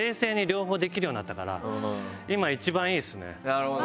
なるほど。